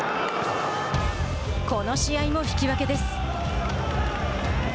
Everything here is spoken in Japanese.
この試合も引き分けです。